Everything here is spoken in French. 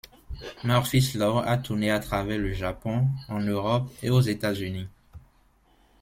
Murphy's Law a tourné à travers le Japon, en Europe et aux États-Unis.